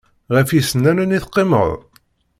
Ɣef yisennanen i teqqimemt?